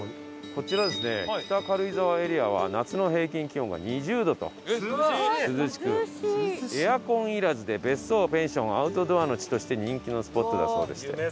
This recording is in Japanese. こちらですね北軽井沢エリアは夏の平均気温が２０度と涼しくエアコンいらずで別荘ペンションアウトドアの地として人気のスポットだそうでして。